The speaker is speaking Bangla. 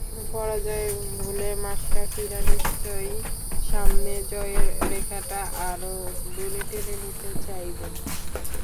পরাজয় ভুলে মাশরাফিরা নিশ্চয়ই সামনে জয়ের রেখাটা আরও দূরে টেনে নিতে চাইবেন।